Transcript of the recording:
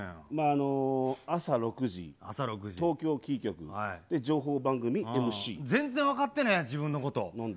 朝６時、東京キー局、情報番全然分かってない、自分のこなんで？